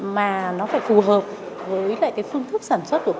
mà nó phải phù hợp với phương thức sản xuất của công nhân